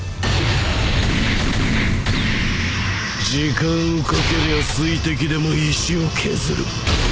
時間をかけりゃ水滴でも石を削る。